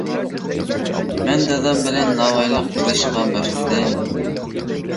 مەن دادام بىلەن ناۋايلىق قىلىشقا باشلىدىم.